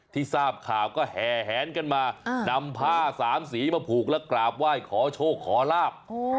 ที่ทราบข่าวก็แห่แหนกันมานำผ้าสามสีมาผูกและกราบไหว้ขอโชคขอลาบ